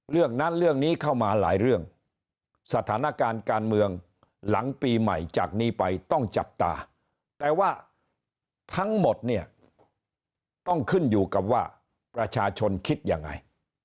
เรื่องนั้นเรื่องนี้เข้ามาหลายเรื่องสถานการณ์การเมืองหลังปีใหม่จากนี้ไปต้องจับตาแต่ว่าทั้งหมดเนี่ยต้องขึ้นอยู่กับว่าประชาชนคิดยังไง